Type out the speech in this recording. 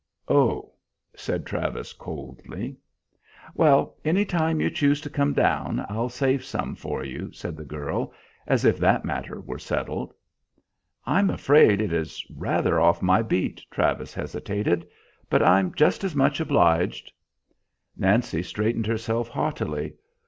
"Oh," said Travis coldly. "Well, any time you choose to come down I'll save some for you," said the girl, as if that matter were settled. "I'm afraid it is rather off my beat," Travis hesitated, "but I'm just as much obliged." Nancy straightened herself haughtily.